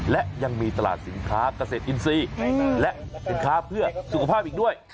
และยังมีตลาดสินค้าเกษตรอินทรีย์และสินค้าเพื่อสุขภาพอีกด้วย